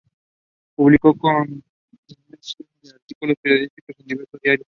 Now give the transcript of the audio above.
Publicó centenares de artículos periodísticos en diversos diarios.